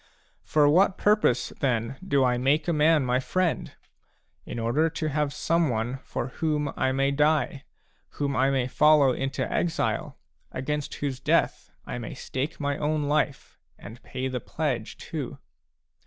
For what purpose, then, do I make a man my friend ? In order to have someone for whom I may die, whom I may follow into exile, against whose death I may stake my own life, and pay the pledge, too.